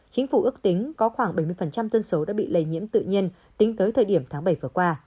chính phủ ước tính có khoảng bảy mươi dân số đã bị lây nhiễm tự nhiên tính tới thời điểm tháng bảy vừa qua